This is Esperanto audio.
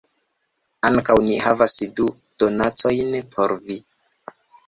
Ankaŭ ni havas du donacojn por vi